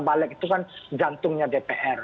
balik itu kan jantungnya dpr